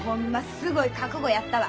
すごい覚悟やったわ。